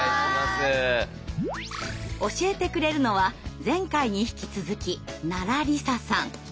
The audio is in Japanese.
教えてくれるのは前回に引き続き奈良里紗さん。